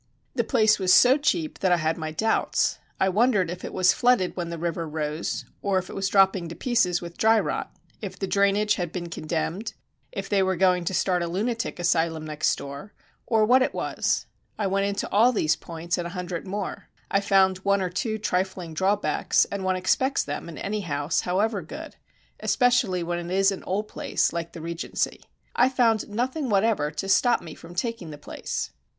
The place was so cheap that I had my doubts. I wondered if it was flooded when the river rose, if it was dropping to pieces with dry rot, if the drainage had been condemned, if they were going to start a lunatic asylum next door, or what it was. I went into all these points and a hundred more. I found one or two trifling drawbacks, and one expects them in any house, however good especially when it is an old place like the Regency. I found nothing whatever to stop me from taking the place.